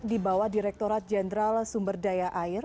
dibawa direkturat jenderal sumber daya air